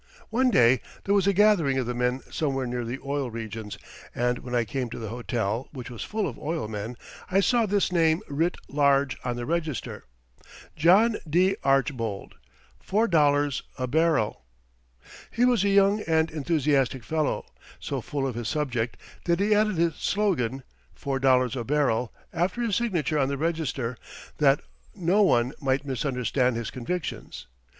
One day there was a gathering of the men somewhere near the oil regions, and when I came to the hotel, which was full of oil men, I saw this name writ large on the register: John D. Archbold, $4.00 a bbl. He was a young and enthusiastic fellow, so full of his subject that he added his slogan, "$4.00 a bbl.," after his signature on the register, that no one might misunderstand his convictions.